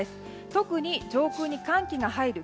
特に上空に寒気が入る